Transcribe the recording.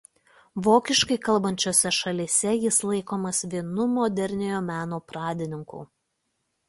Vokiškai kalbančiose šalyse jis laikomas vienu iš moderniojo meno pradininkų.